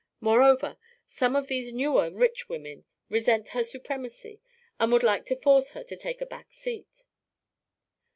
Moreover, some of these newer rich women resent her supremacy and would like to force her to take a back seat.